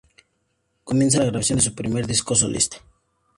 Comienza la grabación de su primer disco solista.